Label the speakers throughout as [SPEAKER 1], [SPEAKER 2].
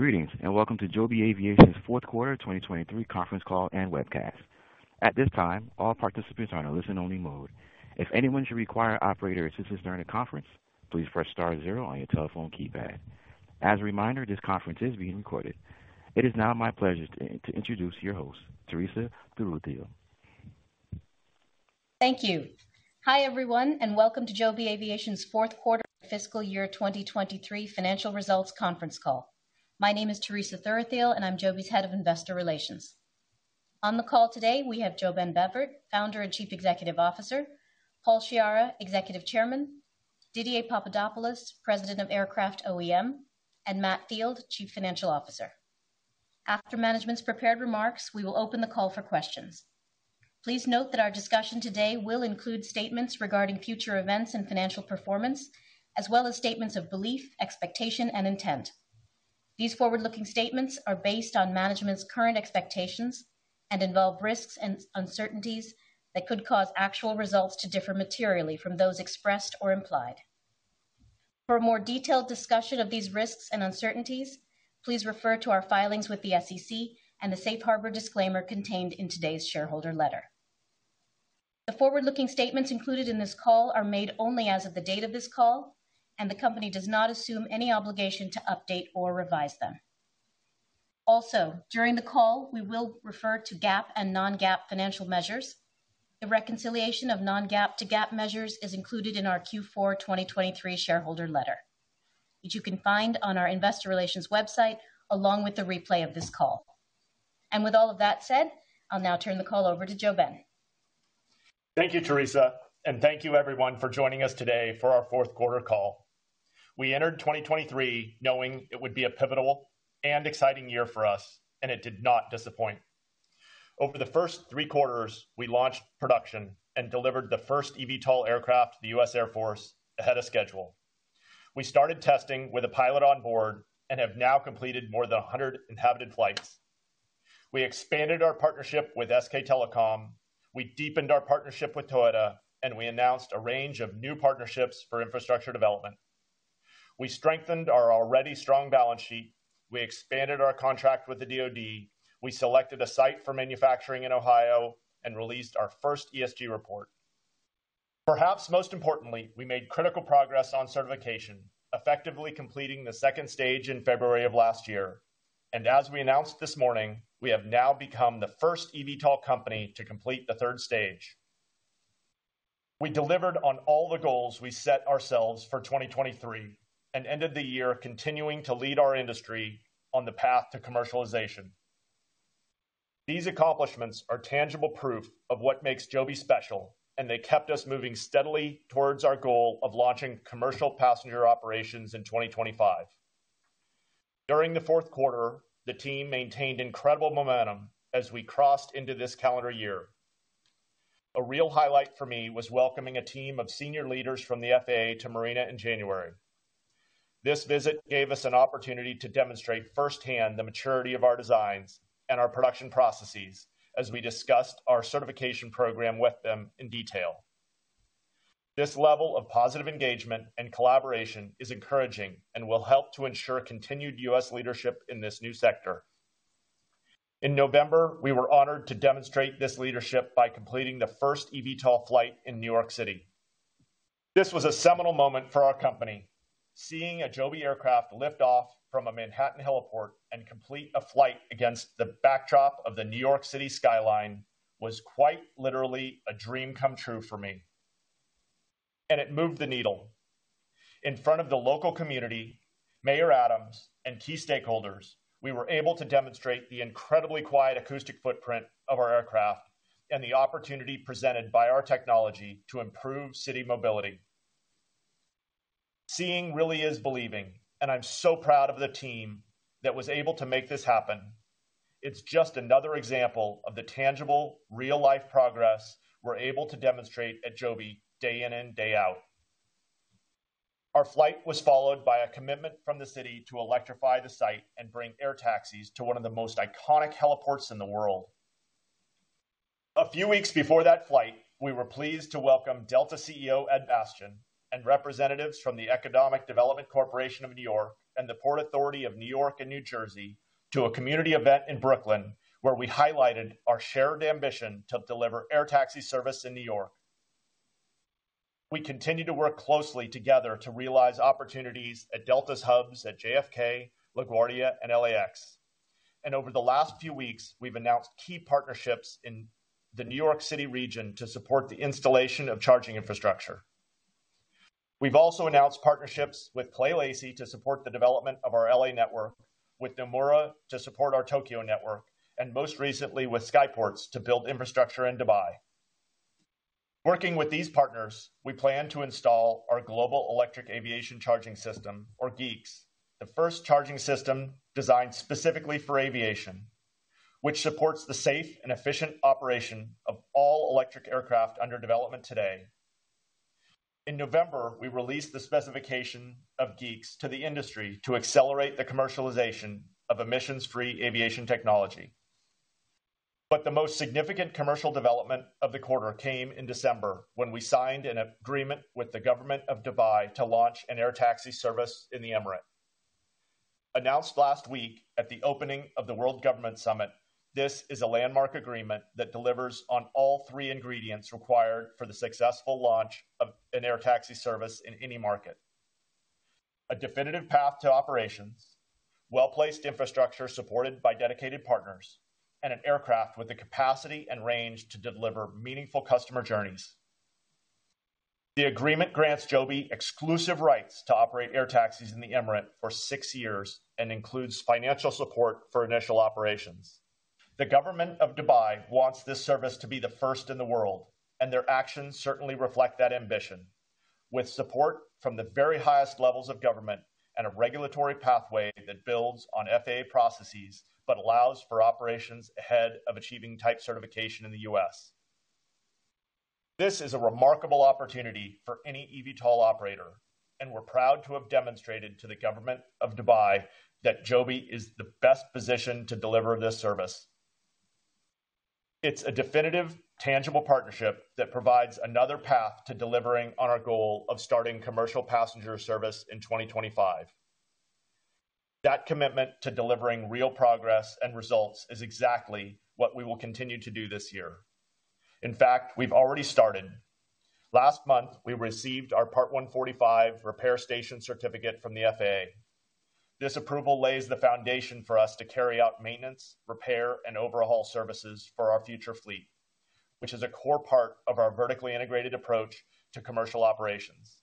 [SPEAKER 1] Greetings, and welcome to Joby Aviation's fourth quarter 2023 conference call and webcast. At this time, all participants are in a listen-only mode. If anyone should require operator assistance during a conference, please press star zero on your telephone keypad. As a reminder, this conference is being recorded. It is now my pleasure to introduce your host, Teresa Thuruthiyil.
[SPEAKER 2] Thank you. Hi everyone, and welcome to Joby Aviation's fourth quarter fiscal year 2023 financial results conference call. My name is Teresa Thuruthiyil, and I'm Joby's Head of Investor Relations. On the call today we have JoeBen Bevirt, Founder and Chief Executive Officer; Paul Sciarra, Executive Chairman; Didier Papadopoulos, President of Aircraft OEM; and Matt Field, Chief Financial Officer. After management's prepared remarks, we will open the call for questions. Please note that our discussion today will include statements regarding future events and financial performance, as well as statements of belief, expectation, and intent. These forward-looking statements are based on management's current expectations and involve risks and uncertainties that could cause actual results to differ materially from those expressed or implied. For a more detailed discussion of these risks and uncertainties, please refer to our filings with the SEC and the Safe Harbor disclaimer contained in today's shareholder letter. The forward-looking statements included in this call are made only as of the date of this call, and the company does not assume any obligation to update or revise them. Also, during the call we will refer to GAAP and non-GAAP financial measures. The reconciliation of non-GAAP to GAAP measures is included in our Q4 2023 shareholder letter, which you can find on our investor relations website along with the replay of this call. With all of that said, I'll now turn the call over to JoeBen.
[SPEAKER 3] Thank you, Teresa, and thank you everyone for joining us today for our fourth quarter call. We entered 2023 knowing it would be a pivotal and exciting year for us, and it did not disappoint. Over the first three quarters, we launched production and delivered the first eVTOL aircraft, the U.S. Air Force, ahead of schedule. We started testing with a pilot on board and have now completed more than 100 inhabited flights. We expanded our partnership with SK Telecom, we deepened our partnership with Toyota, and we announced a range of new partnerships for infrastructure development. We strengthened our already strong balance sheet, we expanded our contract with the DoD, we selected a site for manufacturing in Ohio, and released our first ESG report. Perhaps most importantly, we made critical progress on certification, effectively completing the second stage in February of last year, and as we announced this morning, we have now become the first eVTOL company to complete the third stage. We delivered on all the goals we set ourselves for 2023 and ended the year continuing to lead our industry on the path to commercialization. These accomplishments are tangible proof of what makes Joby special, and they kept us moving steadily towards our goal of launching commercial passenger operations in 2025. During the fourth quarter, the team maintained incredible momentum as we crossed into this calendar year. A real highlight for me was welcoming a team of senior leaders from the FAA to Marina in January. This visit gave us an opportunity to demonstrate firsthand the maturity of our designs and our production processes as we discussed our certification program with them in detail. This level of positive engagement and collaboration is encouraging and will help to ensure continued U.S. leadership in this new sector. In November, we were honored to demonstrate this leadership by completing the first eVTOL flight in New York City. This was a seminal moment for our company. Seeing a Joby aircraft lift off from a Manhattan heliport and complete a flight against the backdrop of the New York City skyline was quite literally a dream come true for me. It moved the needle. In front of the local community, Mayor Adams, and key stakeholders, we were able to demonstrate the incredibly quiet acoustic footprint of our aircraft and the opportunity presented by our technology to improve city mobility. Seeing really is believing, and I'm so proud of the team that was able to make this happen. It's just another example of the tangible, real-life progress we're able to demonstrate at Joby day in and day out. Our flight was followed by a commitment from the city to electrify the site and bring air taxis to one of the most iconic heliports in the world. A few weeks before that flight, we were pleased to welcome Delta CEO Ed Bastian and representatives from the Economic Development Corporation of New York and the Port Authority of New York and New Jersey to a community event in Brooklyn where we highlighted our shared ambition to deliver air taxi service in New York. We continue to work closely together to realize opportunities at Delta's hubs at JFK, LaGuardia, and LAX. Over the last few weeks, we've announced key partnerships in the New York City region to support the installation of charging infrastructure. We've also announced partnerships with Clay Lacy to support the development of our LA network, with Nomura to support our Tokyo network, and most recently with Skyports to build infrastructure in Dubai. Working with these partners, we plan to install our Global Electric Aviation Charging System, or GEACS, the first charging system designed specifically for aviation, which supports the safe and efficient operation of all electric aircraft under development today. In November, we released the specification of GEACS to the industry to accelerate the commercialization of emissions-free aviation technology. But the most significant commercial development of the quarter came in December when we signed an agreement with the government of Dubai to launch an air taxi service in the Emirates. Announced last week at the opening of the World Government Summit, this is a landmark agreement that delivers on all three ingredients required for the successful launch of an air taxi service in any market: a definitive path to operations, well-placed infrastructure supported by dedicated partners, and an aircraft with the capacity and range to deliver meaningful customer journeys. The agreement grants Joby exclusive rights to operate air taxis in the Emirates for six years and includes financial support for initial operations. The government of Dubai wants this service to be the first in the world, and their actions certainly reflect that ambition, with support from the very highest levels of government and a regulatory pathway that builds on FAA processes but allows for operations ahead of achieving type certification in the U.S. This is a remarkable opportunity for any eVTOL operator, and we're proud to have demonstrated to the government of Dubai that Joby is the best position to deliver this service. It's a definitive, tangible partnership that provides another path to delivering on our goal of starting commercial passenger service in 2025. That commitment to delivering real progress and results is exactly what we will continue to do this year. In fact, we've already started. Last month, we received our Part 145 Repair Station Certificate from the FAA. This approval lays the foundation for us to carry out maintenance, repair, and overhaul services for our future fleet, which is a core part of our vertically integrated approach to commercial operations.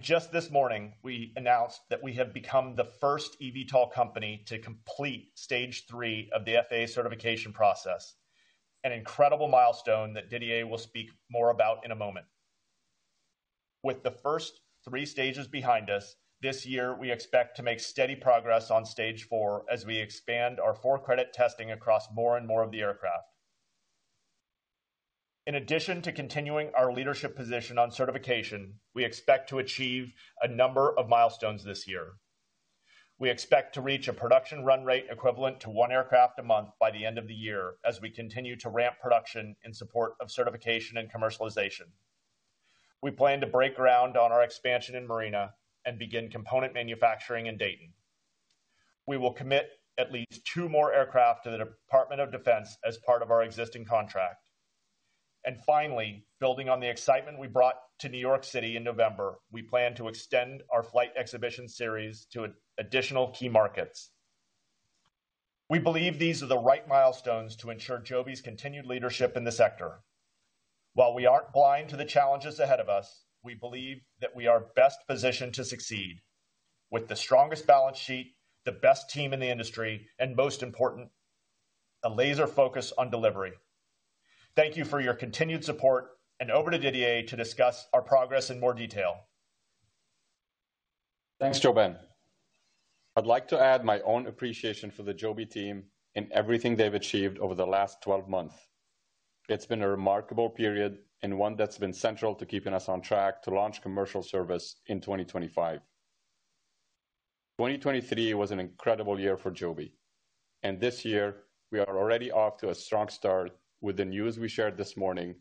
[SPEAKER 3] Just this morning, we announced that we have become the first eVTOL company to complete stage three of the FAA certification process, an incredible milestone that Didier will speak more about in a moment. With the first three stages behind us, this year we expect to make steady progress on stage four as we expand our for-credit testing across more and more of the aircraft. In addition to continuing our leadership position on certification, we expect to achieve a number of milestones this year. We expect to reach a production run rate equivalent to one aircraft a month by the end of the year as we continue to ramp production in support of certification and commercialization. We plan to break ground on our expansion in Marina and begin component manufacturing in Dayton. We will commit at least two more aircraft to the Department of Defense as part of our existing contract. And finally, building on the excitement we brought to New York City in November, we plan to extend our flight exhibition series to additional key markets. We believe these are the right milestones to ensure Joby's continued leadership in the sector. While we aren't blind to the challenges ahead of us, we believe that we are best positioned to succeed, with the strongest balance sheet, the best team in the industry, and most important, a laser focus on delivery. Thank you for your continued support, and over to Didier to discuss our progress in more detail.
[SPEAKER 4] Thanks, JoeBen. I'd like to add my own appreciation for the Joby team and everything they've achieved over the last 12 months. It's been a remarkable period and one that's been central to keeping us on track to launch commercial service in 2025. 2023 was an incredible year for Joby, and this year we are already off to a strong start with the news we shared this morning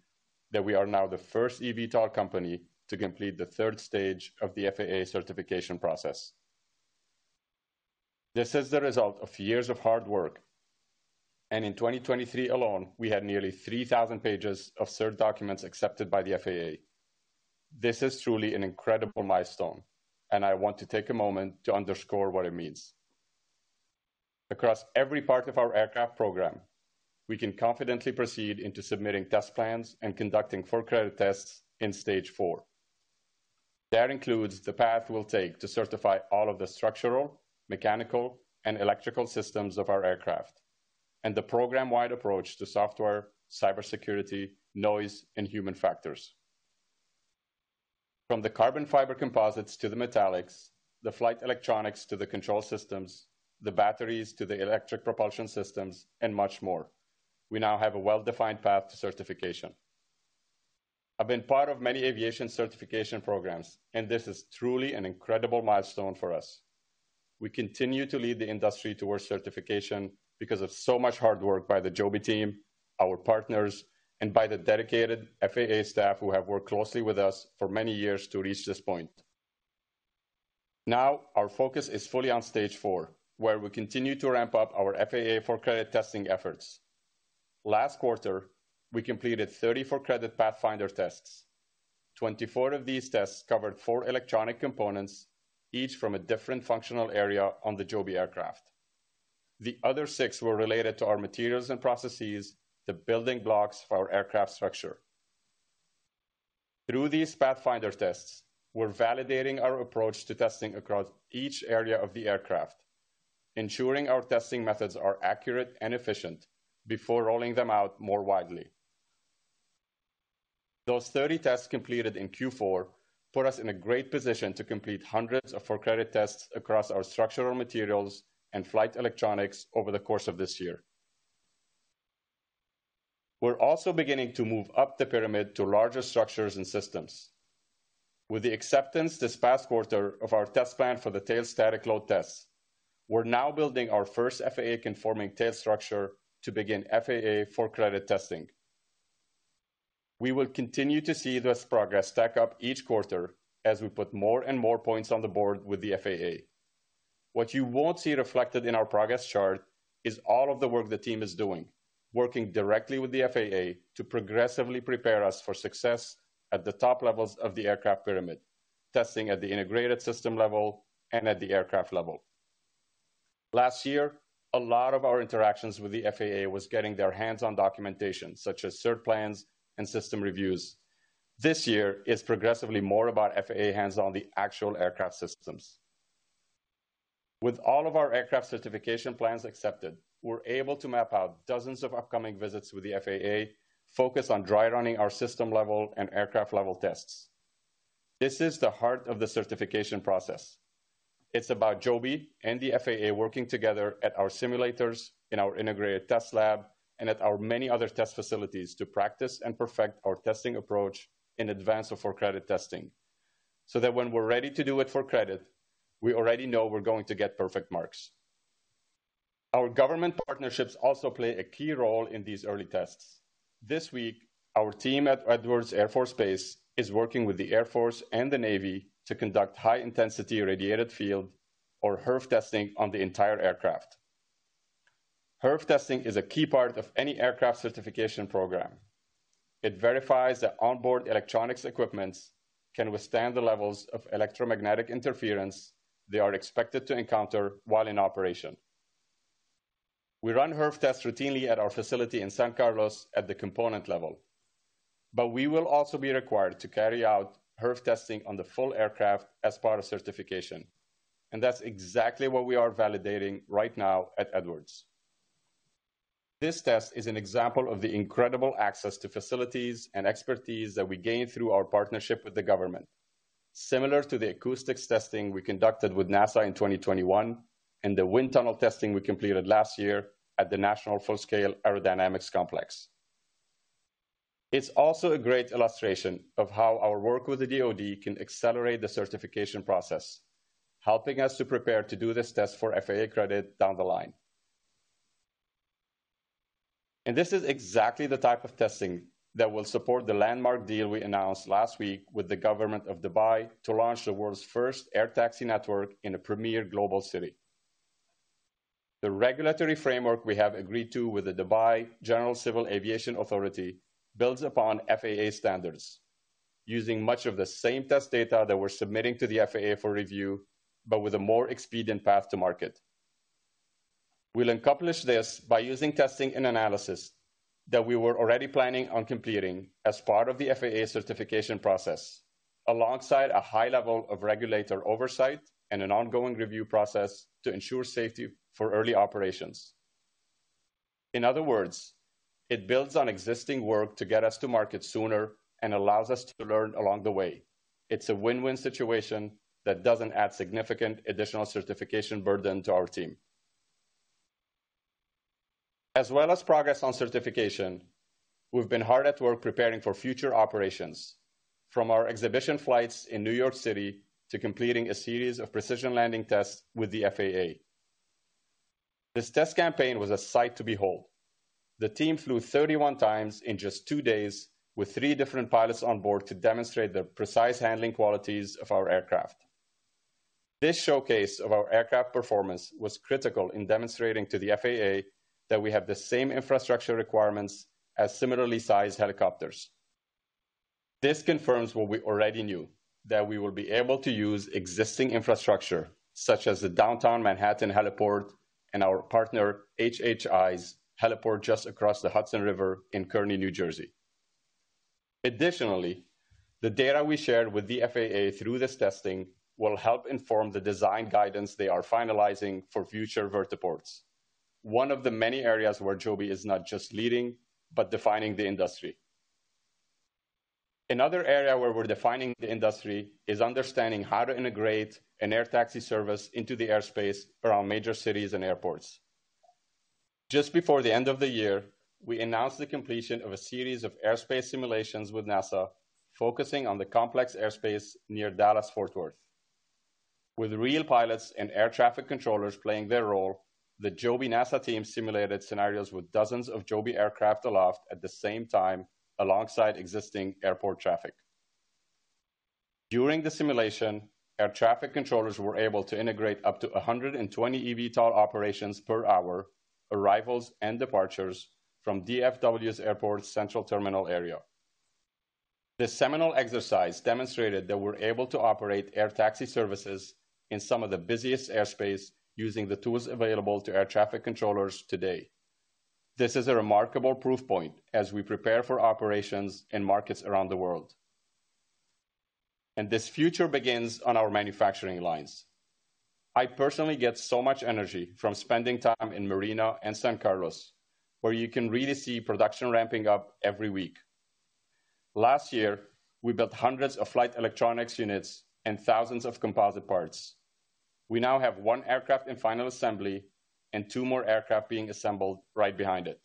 [SPEAKER 4] that we are now the first eVTOL company to complete the third stage of the FAA certification process. This is the result of years of hard work, and in 2023 alone we had nearly 3,000 pages of cert documents accepted by the FAA. This is truly an incredible milestone, and I want to take a moment to underscore what it means. Across every part of our aircraft program, we can confidently proceed into submitting test plans and conducting for-credit tests in stage four. That includes the path we'll take to certify all of the structural, mechanical, and electrical systems of our aircraft, and the program-wide approach to software, cybersecurity, noise, and human factors. From the carbon fiber composites to the metallics, the flight electronics to the control systems, the batteries to the electric propulsion systems, and much more, we now have a well-defined path to certification. I've been part of many aviation certification programs, and this is truly an incredible milestone for us. We continue to lead the industry towards certification because of so much hard work by the Joby team, our partners, and by the dedicated FAA staff who have worked closely with us for many years to reach this point. Now, our focus is fully on stage four, where we continue to ramp up our FAA for-credit testing efforts. Last quarter, we completed 30 for-credit pathfinder tests. 24 of these tests covered four electronic components, each from a different functional area on the Joby aircraft. The other six were related to our materials and processes, the building blocks of our aircraft structure. Through these pathfinder tests, we're validating our approach to testing across each area of the aircraft, ensuring our testing methods are accurate and efficient before rolling them out more widely. Those 30 tests completed in Q4 put us in a great position to complete hundreds of for-credit tests across our structural materials and flight electronics over the course of this year. We're also beginning to move up the pyramid to larger structures and systems. With the acceptance this past quarter of our test plan for the tail static load tests, we're now building our first FAA-conforming tail structure to begin FAA for-credit testing. We will continue to see this progress stack up each quarter as we put more and more points on the board with the FAA. What you won't see reflected in our progress chart is all of the work the team is doing, working directly with the FAA to progressively prepare us for success at the top levels of the aircraft pyramid, testing at the integrated system level and at the aircraft level. Last year, a lot of our interactions with the FAA was getting their hands-on documentation, such as cert plans and system reviews. This year is progressively more about FAA hands-on the actual aircraft systems. With all of our aircraft certification plans accepted, we're able to map out dozens of upcoming visits with the FAA, focused on dry-running our system-level and aircraft-level tests. This is the heart of the certification process. It's about Joby and the FAA working together at our simulators, in our integrated test lab, and at our many other test facilities to practice and perfect our testing approach in advance of for-credit testing, so that when we're ready to do it for credit, we already know we're going to get perfect marks. Our government partnerships also play a key role in these early tests. This week, our team at Edwards Air Force Base is working with the Air Force and the Navy to conduct high-intensity radiated field, or HIRF, testing on the entire aircraft. HIRF testing is a key part of any aircraft certification program. It verifies that onboard electronics equipment can withstand the levels of electromagnetic interference they are expected to encounter while in operation. We run HIRF tests routinely at our facility in San Carlos at the component level. But we will also be required to carry out HIRF testing on the full aircraft as part of certification, and that's exactly what we are validating right now at Edwards. This test is an example of the incredible access to facilities and expertise that we gained through our partnership with the government, similar to the acoustics testing we conducted with NASA in 2021 and the wind tunnel testing we completed last year at the National Full-Scale Aerodynamics Complex. It's also a great illustration of how our work with the DoD can accelerate the certification process, helping us to prepare to do this test for FAA credit down the line. This is exactly the type of testing that will support the landmark deal we announced last week with the government of Dubai to launch the world's first air taxi network in a premier global city. The regulatory framework we have agreed to with the Dubai General Civil Aviation Authority builds upon FAA standards, using much of the same test data that we're submitting to the FAA for review, but with a more expedient path to market. We'll accomplish this by using testing and analysis that we were already planning on completing as part of the FAA certification process, alongside a high level of regulator oversight and an ongoing review process to ensure safety for early operations. In other words, it builds on existing work to get us to market sooner and allows us to learn along the way. It's a win-win situation that doesn't add significant additional certification burden to our team. As well as progress on certification, we've been hard at work preparing for future operations, from our exhibition flights in New York City to completing a series of precision landing tests with the FAA. This test campaign was a sight to behold. The team flew 31 times in just two days with three different pilots on board to demonstrate the precise handling qualities of our aircraft. This showcase of our aircraft performance was critical in demonstrating to the FAA that we have the same infrastructure requirements as similarly sized helicopters. This confirms what we already knew, that we will be able to use existing infrastructure, such as the Downtown Manhattan Heliport and our partner HHI's heliport just across the Hudson River in Kearny, New Jersey. Additionally, the data we shared with the FAA through this testing will help inform the design guidance they are finalizing for future vertiports, one of the many areas where Joby is not just leading but defining the industry. Another area where we're defining the industry is understanding how to integrate an air taxi service into the airspace around major cities and airports. Just before the end of the year, we announced the completion of a series of airspace simulations with NASA, focusing on the complex airspace near Dallas-Fort Worth. With real pilots and air traffic controllers playing their role, the Joby NASA team simulated scenarios with dozens of Joby aircraft aloft at the same time alongside existing airport traffic. During the simulation, air traffic controllers were able to integrate up to 120 eVTOL operations per hour, arrivals and departures, from DFW Airport's Central Terminal Area. This seminal exercise demonstrated that we're able to operate air taxi services in some of the busiest airspace using the tools available to air traffic controllers today. This is a remarkable proof point as we prepare for operations in markets around the world. This future begins on our manufacturing lines. I personally get so much energy from spending time in Marina and San Carlos, where you can really see production ramping up every week. Last year, we built hundreds of flight electronics units and thousands of composite parts. We now have one aircraft in final assembly and two more aircraft being assembled right behind it.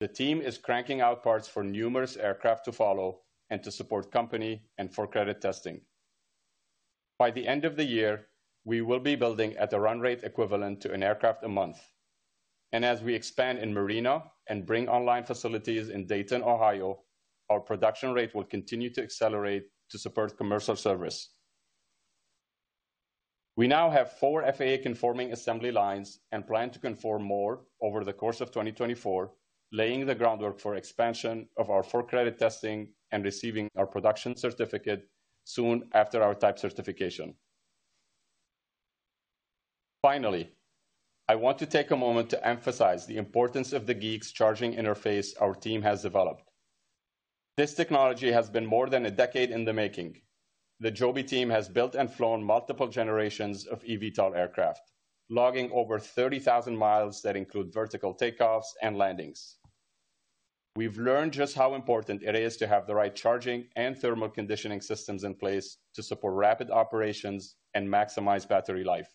[SPEAKER 4] The team is cranking out parts for numerous aircraft to follow and to support company and for-credit testing. By the end of the year, we will be building at a run rate equivalent to an aircraft a month, and as we expand in Marina and bring online facilities in Dayton, Ohio, our production rate will continue to accelerate to support commercial service. We now have four FAA-conforming assembly lines and plan to conform more over the course of 2024, laying the groundwork for expansion of our for-credit testing and receiving our production certificate soon after our type certification. Finally, I want to take a moment to emphasize the importance of the GEACS charging interface our team has developed. This technology has been more than a decade in the making. The Joby team has built and flown multiple generations of eVTOL aircraft, logging over 30,000 miles that include vertical takeoffs and landings. We've learned just how important it is to have the right charging and thermal conditioning systems in place to support rapid operations and maximize battery life.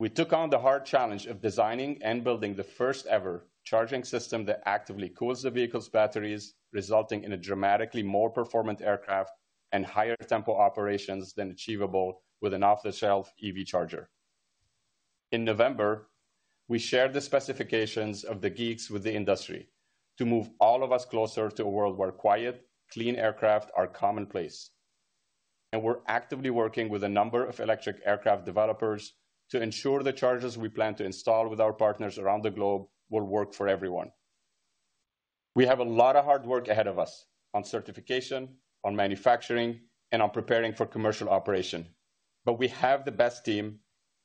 [SPEAKER 4] We took on the hard challenge of designing and building the first-ever charging system that actively cools the vehicle's batteries, resulting in a dramatically more performant aircraft and higher tempo operations than achievable with an off-the-shelf EV charger. In November, we shared the specifications of the GEACS with the industry, to move all of us closer to a world where quiet, clean aircraft are commonplace. We're actively working with a number of electric aircraft developers to ensure the chargers we plan to install with our partners around the globe will work for everyone. We have a lot of hard work ahead of us, on certification, on manufacturing, and on preparing for commercial operation, but we have the best team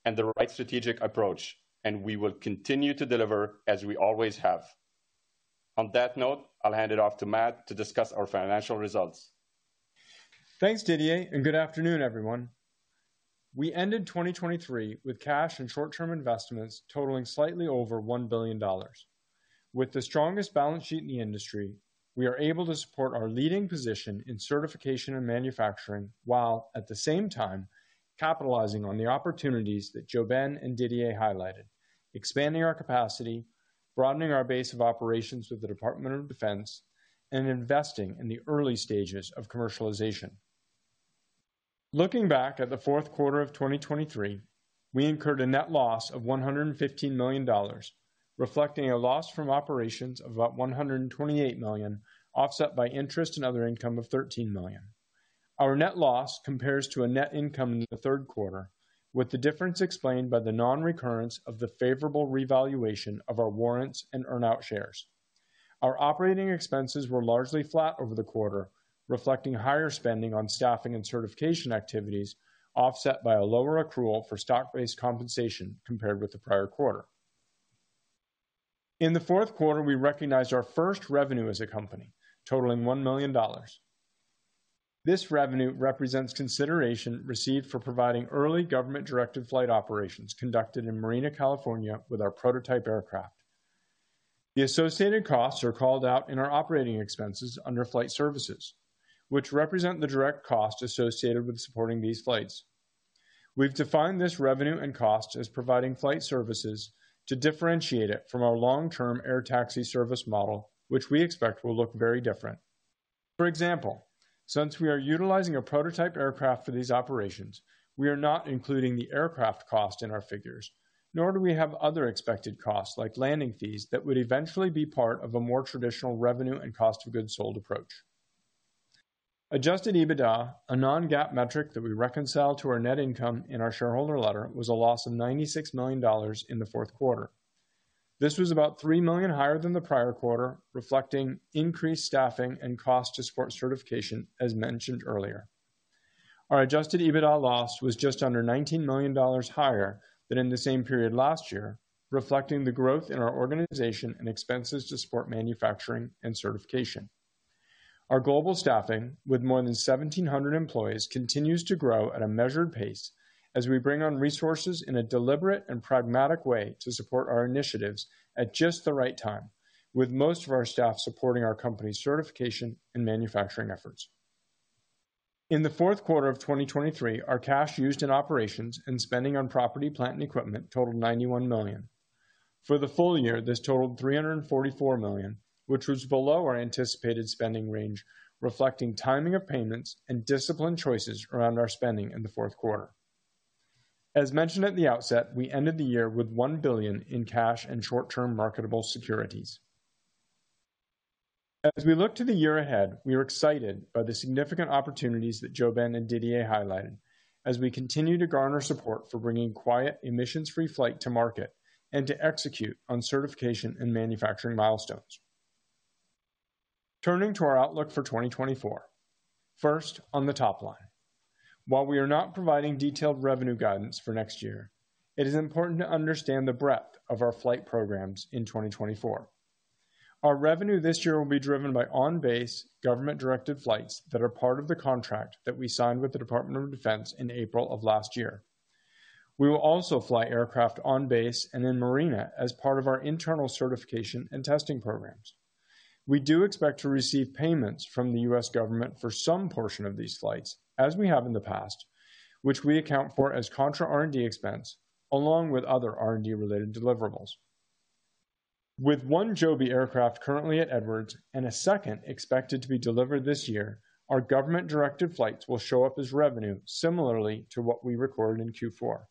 [SPEAKER 4] and the right strategic approach, and we will continue to deliver as we always have. On that note, I'll hand it off to Matt to discuss our financial results.
[SPEAKER 5] Thanks, Didier, and good afternoon, everyone. We ended 2023 with cash and short-term investments totaling slightly over $1 billion. With the strongest balance sheet in the industry, we are able to support our leading position in certification and manufacturing while, at the same time, capitalizing on the opportunities that JoeBen and Didier highlighted, expanding our capacity, broadening our base of operations with the Department of Defense, and investing in the early stages of commercialization. Looking back at the fourth quarter of 2023, we incurred a net loss of $115 million, reflecting a loss from operations of about $128 million offset by interest and other income of $13 million. Our net loss compares to a net income in the third quarter, with the difference explained by the non-recurrence of the favorable revaluation of our warrants and earn-out shares. Our operating expenses were largely flat over the quarter, reflecting higher spending on staffing and certification activities offset by a lower accrual for stock-based compensation compared with the prior quarter. In the fourth quarter, we recognized our first revenue as a company, totaling $1 million. This revenue represents consideration received for providing early government-directed flight operations conducted in Marina, California, with our prototype aircraft. The associated costs are called out in our operating expenses under flight services, which represent the direct cost associated with supporting these flights. We've defined this revenue and cost as providing flight services to differentiate it from our long-term air taxi service model, which we expect will look very different. For example, since we are utilizing a prototype aircraft for these operations, we are not including the aircraft cost in our figures, nor do we have other expected costs like landing fees that would eventually be part of a more traditional revenue and cost of goods sold approach. Adjusted EBITDA, a non-GAAP metric that we reconcile to our net income in our shareholder letter, was a loss of $96 million in the fourth quarter. This was about $3 million higher than the prior quarter, reflecting increased staffing and cost to support certification, as mentioned earlier. Our adjusted EBITDA loss was just under $19 million higher than in the same period last year, reflecting the growth in our organization and expenses to support manufacturing and certification. Our global staffing, with more than 1,700 employees, continues to grow at a measured pace as we bring on resources in a deliberate and pragmatic way to support our initiatives at just the right time, with most of our staff supporting our company's certification and manufacturing efforts. In the fourth quarter of 2023, our cash used in operations and spending on property, plant, and equipment totaled $91 million. For the full year, this totaled $344 million, which was below our anticipated spending range, reflecting timing of payments and discipline choices around our spending in the fourth quarter. As mentioned at the outset, we ended the year with $1 billion in cash and short-term marketable securities. As we look to the year ahead, we are excited by the significant opportunities that JoeBen and Didier highlighted, as we continue to garner support for bringing quiet, emissions-free flight to market and to execute on certification and manufacturing milestones. Turning to our outlook for 2024. First, on the top line. While we are not providing detailed revenue guidance for next year, it is important to understand the breadth of our flight programs in 2024. Our revenue this year will be driven by on-base government-directed flights that are part of the contract that we signed with the Department of Defense in April of last year. We will also fly aircraft on base and in Marina as part of our internal certification and testing programs. We do expect to receive payments from the U.S. Government for some portion of these flights, as we have in the past, which we account for as contra-R&D expense, along with other R&D-related deliverables. With one Joby aircraft currently at Edwards and a second expected to be delivered this year, our government-directed flights will show up as revenue similarly to what we recorded in Q4.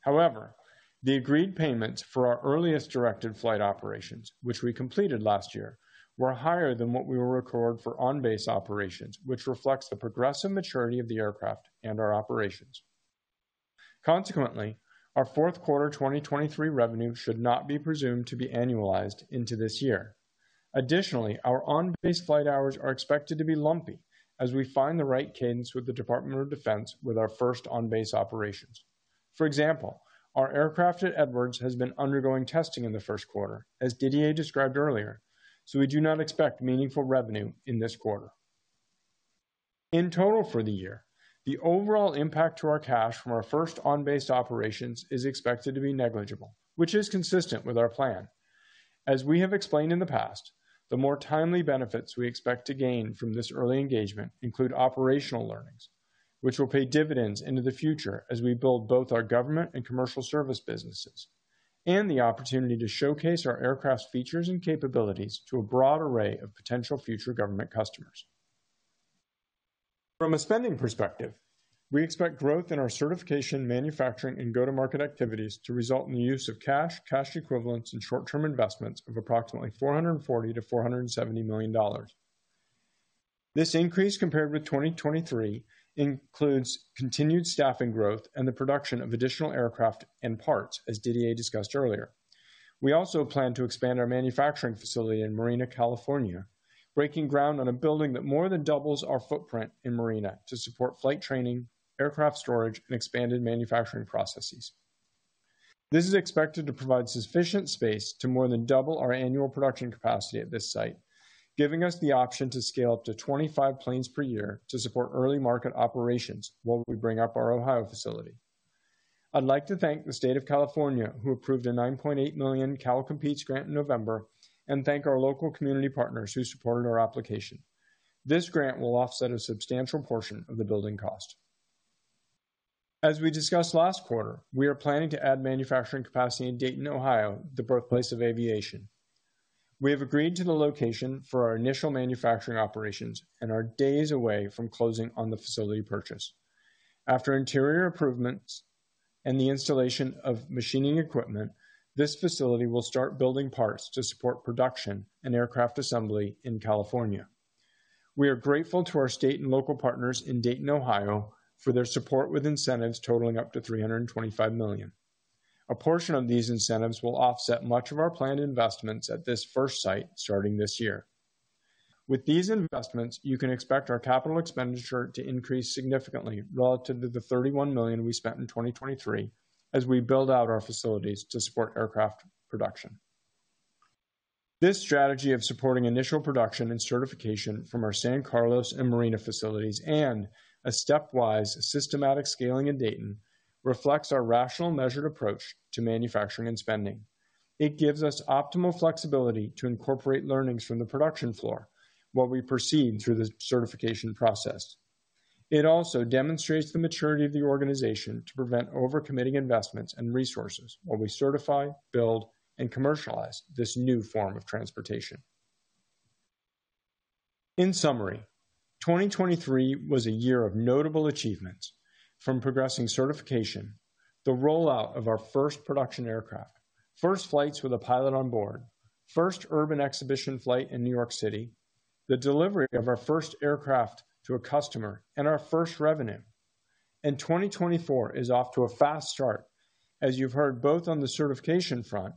[SPEAKER 5] However, the agreed payments for our earliest directed flight operations, which we completed last year, were higher than what we will record for on-base operations, which reflects the progressive maturity of the aircraft and our operations. Consequently, our fourth quarter 2023 revenue should not be presumed to be annualized into this year. Additionally, our on-base flight hours are expected to be lumpy, as we find the right cadence with the Department of Defense with our first on-base operations. For example, our aircraft at Edwards has been undergoing testing in the first quarter, as Didier described earlier, so we do not expect meaningful revenue in this quarter. In total for the year, the overall impact to our cash from our first on-base operations is expected to be negligible, which is consistent with our plan. As we have explained in the past, the more timely benefits we expect to gain from this early engagement include operational learnings, which will pay dividends into the future as we build both our government and commercial service businesses, and the opportunity to showcase our aircraft's features and capabilities to a broad array of potential future government customers. From a spending perspective, we expect growth in our certification, manufacturing, and go-to-market activities to result in the use of cash, cash equivalents, and short-term investments of approximately $440 million-$470 million. This increase compared with 2023 includes continued staffing growth and the production of additional aircraft and parts, as Didier discussed earlier. We also plan to expand our manufacturing facility in Marina, California, breaking ground on a building that more than doubles our footprint in Marina to support flight training, aircraft storage, and expanded manufacturing processes. This is expected to provide sufficient space to more than double our annual production capacity at this site, giving us the option to scale up to 25 planes per year to support early market operations while we bring up our Ohio facility. I'd like to thank the State of California, who approved a $9.8 million CalCOMPETES grant in November, and thank our local community partners who supported our application. This grant will offset a substantial portion of the building cost. As we discussed last quarter, we are planning to add manufacturing capacity in Dayton, Ohio, the birthplace of aviation. We have agreed to the location for our initial manufacturing operations and are days away from closing on the facility purchase. After interior improvements and the installation of machining equipment, this facility will start building parts to support production and aircraft assembly in California. We are grateful to our state and local partners in Dayton, Ohio, for their support with incentives totaling up to $325 million. A portion of these incentives will offset much of our planned investments at this first site starting this year. With these investments, you can expect our capital expenditure to increase significantly relative to the $31 million we spent in 2023 as we build out our facilities to support aircraft production. This strategy of supporting initial production and certification from our San Carlos and Marina facilities and a stepwise, systematic scaling in Dayton reflects our rational, measured approach to manufacturing and spending. It gives us optimal flexibility to incorporate learnings from the production floor while we proceed through the certification process. It also demonstrates the maturity of the organization to prevent overcommitting investments and resources while we certify, build, and commercialize this new form of transportation. In summary, 2023 was a year of notable achievements, from progressing certification, the rollout of our first production aircraft, first flights with a pilot on board, first urban exhibition flight in New York City, the delivery of our first aircraft to a customer, and our first revenue. 2024 is off to a fast start, as you've heard both on the certification front,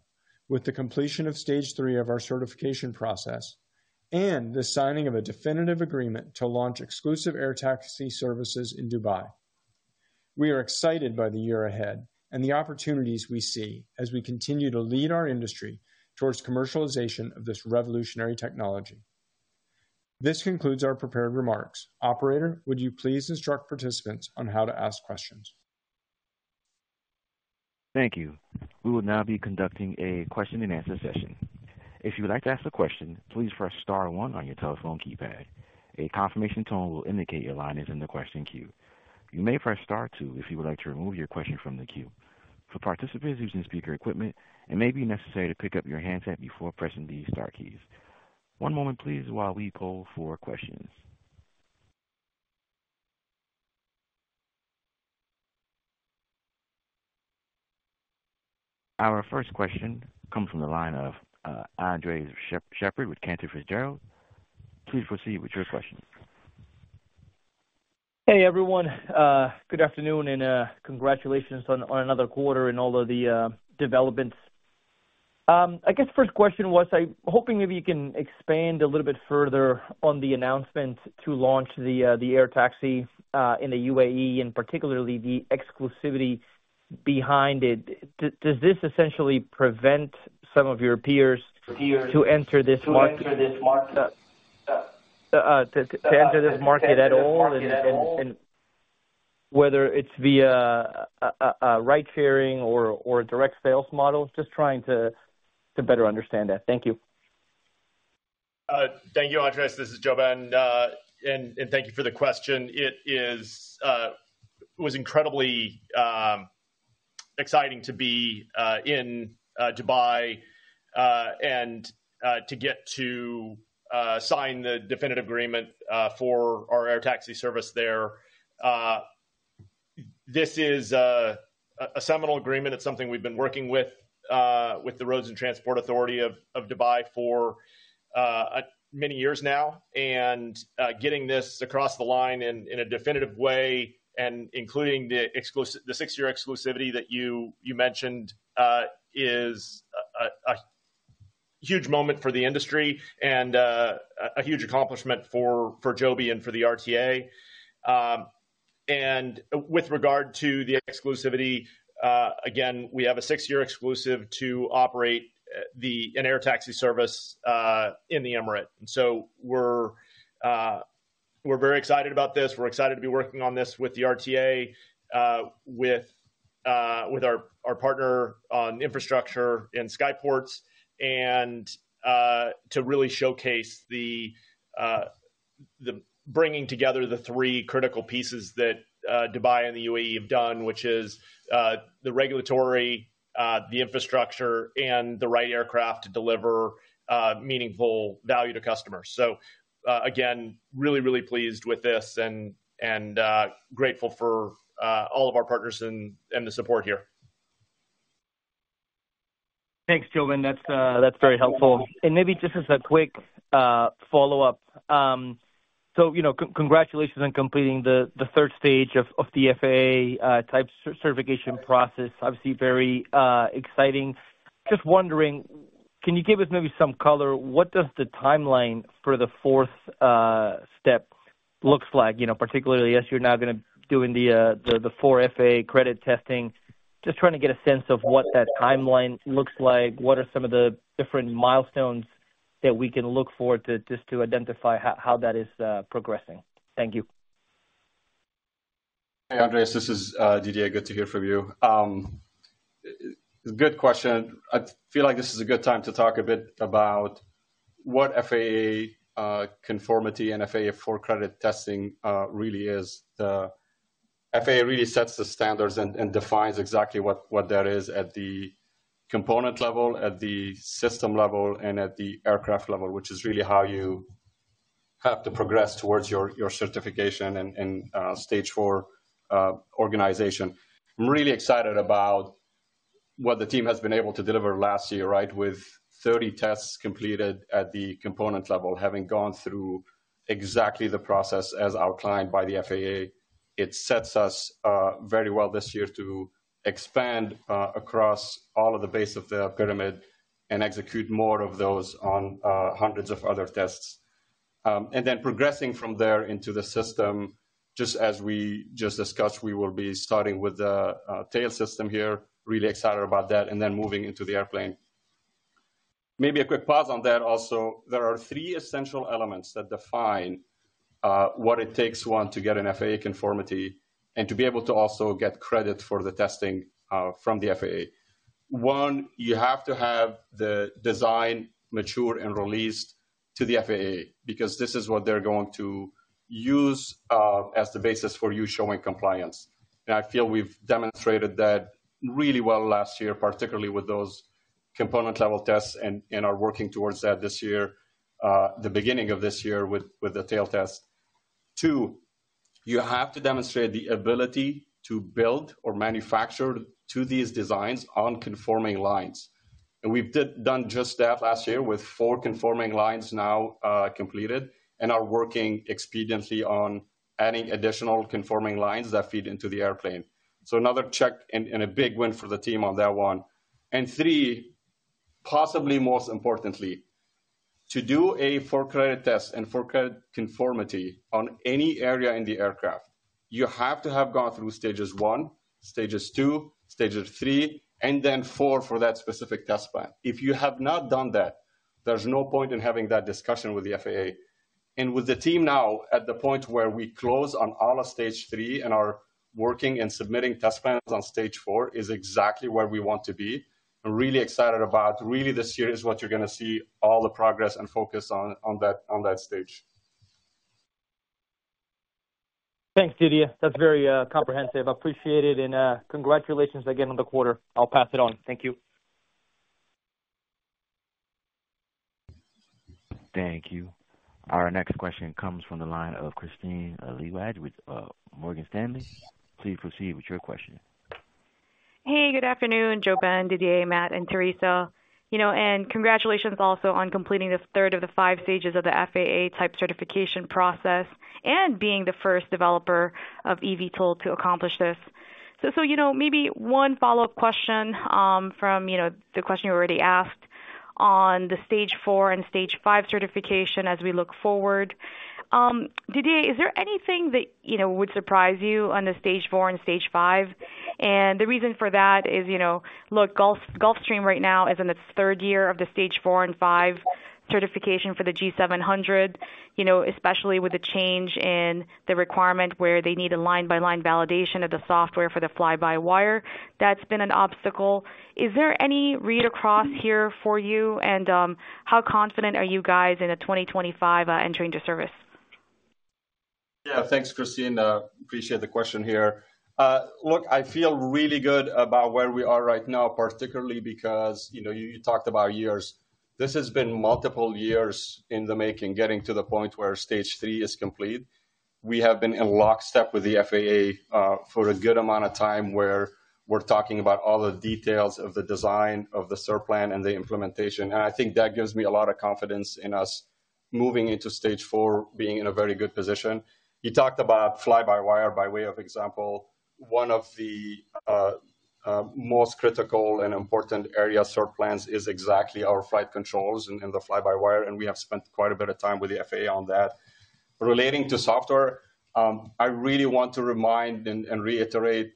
[SPEAKER 5] with the completion of stage three of our certification process, and the signing of a definitive agreement to launch exclusive air taxi services in Dubai. We are excited by the year ahead and the opportunities we see as we continue to lead our industry towards commercialization of this revolutionary technology. This concludes our prepared remarks. Operator, would you please instruct participants on how to ask questions?
[SPEAKER 1] Thank you. We will now be conducting a question-and-answer session. If you would like to ask a question, please press star one on your telephone keypad. A confirmation tone will indicate your line is in the question queue. You may press star two if you would like to remove your question from the queue. For participants using speaker equipment, it may be necessary to pick up your handset before pressing these star keys. One moment, please, while we pull four questions. Our first question comes from the line of Andres Sheppard with Cantor Fitzgerald. Please proceed with your question.
[SPEAKER 6] Hey, everyone. Good afternoon and congratulations on another quarter and all of the developments. I guess the first question was I'm hoping maybe you can expand a little bit further on the announcement to launch the air taxi in the UAE, and particularly the exclusivity behind it. Does this essentially prevent some of your peers to enter this market? To enter this market at all and whether it's via ride-sharing or direct sales model, just trying to better understand that? Thank you.
[SPEAKER 3] Thank you, Andres. This is JoeBen, and thank you for the question. It was incredibly exciting to be in Dubai and to get to sign the definitive agreement for our air taxi service there. This is a seminal agreement. It's something we've been working with the Roads and Transport Authority of Dubai for many years now. And getting this across the line in a definitive way, and including the six-year exclusivity that you mentioned, is a huge moment for the industry and a huge accomplishment for Joby and for the RTA. And with regard to the exclusivity, again, we have a six-year exclusive to operate an air taxi service in the Emirates. And so we're very excited about this. We're excited to be working on this with the RTA, with our partner on infrastructure in Skyports, and to really showcase the bringing together the three critical pieces that Dubai and the UAE have done, which is the regulatory, the infrastructure, and the right aircraft to deliver meaningful value to customers. So again, really, really pleased with this and grateful for all of our partners and the support here.
[SPEAKER 6] Thanks, JoeBen. That's very helpful. And maybe just as a quick follow-up. So congratulations on completing the third stage of the FAA Type Certification process. Obviously, very exciting. Just wondering, can you give us maybe some color? What does the timeline for the fourth step look like? Particularly, as you're now going to be doing the FAA for-credit testing, just trying to get a sense of what that timeline looks like, what are some of the different milestones that we can look for just to identify how that is progressing. Thank you.
[SPEAKER 4] Hey, Andres. This is Didier. Good to hear from you. Good question. I feel like this is a good time to talk a bit about what FAA conformity and FAA for-credit testing really is. The FAA really sets the standards and defines exactly what there is at the component level, at the system level, and at the aircraft level, which is really how you have to progress towards your certification and stage four organization. I'm really excited about what the team has been able to deliver last year, right, with 30 tests completed at the component level, having gone through exactly the process as outlined by the FAA. It sets us very well this year to expand across all of the base of the pyramid and execute more of those on hundreds of other tests. And then progressing from there into the system, just as we just discussed, we will be starting with the tail system here. Really excited about that, and then moving into the airplane. Maybe a quick pause on that also. There are three essential elements that define what it takes one to get an FAA conformity and to be able to also get credit for the testing from the FAA. One, you have to have the design mature and released to the FAA because this is what they're going to use as the basis for you showing compliance. And I feel we've demonstrated that really well last year, particularly with those component-level tests, and are working towards that this year, the beginning of this year with the tail test. Two, you have to demonstrate the ability to build or manufacture to these designs on conforming lines. We've done just that last year with four conforming lines now completed and are working expediently on adding additional conforming lines that feed into the airplane. Another check and a big win for the team on that one. And three, possibly most importantly, to do a for-credit test and for-credit conformity on any area in the aircraft, you have to have gone through stages one, stages two, stages three, and then four for that specific test plan. If you have not done that, there's no point in having that discussion with the FAA. And with the team now at the point where we close on all of stage three and are working and submitting test plans on stage four is exactly where we want to be. I'm really excited about really this year is what you're going to see all the progress and focus on that stage.
[SPEAKER 6] Thanks, Didier. That's very comprehensive. Appreciate it. Congratulations again on the quarter. I'll pass it on. Thank you.
[SPEAKER 1] Thank you. Our next question comes from the line of Kristine Liwag with Morgan Stanley. Please proceed with your question.
[SPEAKER 7] Hey, good afternoon, JoeBen, Didier, Matt, and Teresa. Congratulations also on completing the third of the five stages of the FAA Type Certification process and being the first developer of eVTOL to accomplish this. So maybe one follow-up question from the question you already asked on the stage four and stage five certification as we look forward. Didier, is there anything that would surprise you on the stage four and stage five? And the reason for that is, look, Gulfstream right now is in its third year of the stage four and stage five certification for the G700, especially with the change in the requirement where they need a line-by-line validation of the software for the fly-by-wire. That's been an obstacle. Is there any read-across here for you? And how confident are you guys in 2025 entering the service?
[SPEAKER 4] Yeah. Thanks, Kristine. Appreciate the question here. Look, I feel really good about where we are right now, particularly because you talked about years. This has been multiple years in the making, getting to the point where stage three is complete. We have been in lockstep with the FAA for a good amount of time where we're talking about all the details of the design of the cert plan and the implementation. And I think that gives me a lot of confidence in us moving into stage four, being in a very good position. You talked about fly-by-wire by way of example. One of the most critical and important area cert plans is exactly our flight controls in the fly-by-wire. And we have spent quite a bit of time with the FAA on that. Relating to software, I really want to remind and reiterate: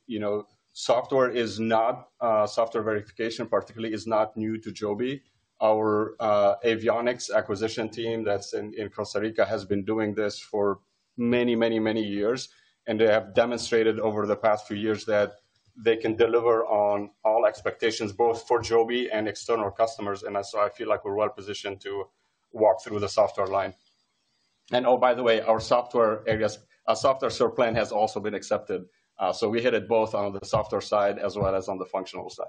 [SPEAKER 4] software is not; software verification, particularly, is not new to Joby. Our avionics acquisition team that's in Costa Rica has been doing this for many, many, many years. And they have demonstrated over the past few years that they can deliver on all expectations, both for Joby and external customers. And so I feel like we're well positioned to walk through the software line. And oh, by the way, our software cert plan has also been accepted. So we hit it both on the software side as well as on the functional side.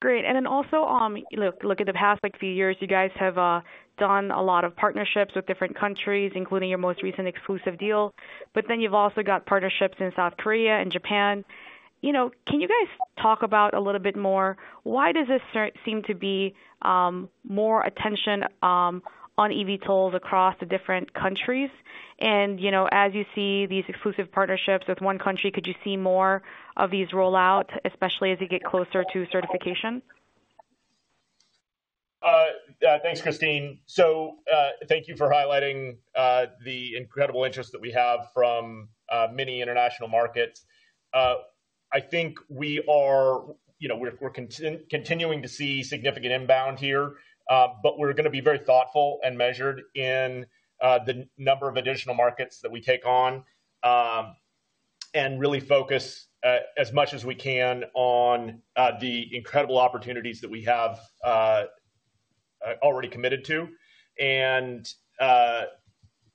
[SPEAKER 7] Great. And then also, look, look at the past few years, you guys have done a lot of partnerships with different countries, including your most recent exclusive deal. But then you've also got partnerships in South Korea and Japan. Can you guys talk about a little bit more? Why does this seem to be more attention on eVTOLs across the different countries? And as you see these exclusive partnerships with one country, could you see more of these rollout, especially as you get closer to certification?
[SPEAKER 3] Thanks, Kristine. So thank you for highlighting the incredible interest that we have from many international markets. I think we are continuing to see significant inbound here, but we're going to be very thoughtful and measured in the number of additional markets that we take on and really focus as much as we can on the incredible opportunities that we have already committed to. And